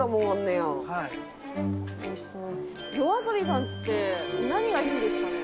ＹＯＡＳＯＢＩさんって何がいいんですかね？